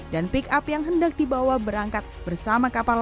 dan pick up yang hendak dibawa berangkat bersama kapal roro